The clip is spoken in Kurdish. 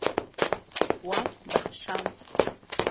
Wan bexşand.